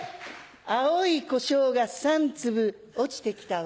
青いコショウが３粒落ちてきたわ。